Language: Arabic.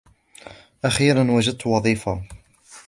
أخيراً ، وجدت وظيفة.